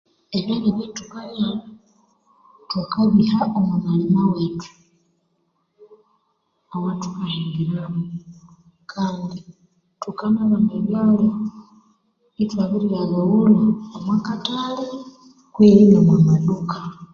Ebyalha ebyathukalya thukabiha omwamalhema wethu awathukahingira kandi thukanabana ebyalya byethu ithwabiyabighulha omwa kathalhi kwehi nomwamaduka